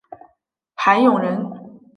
韩永人。